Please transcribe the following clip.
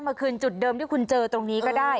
มาคืนจุดเดิมที่คุณเจอตรงนี้ก็ได้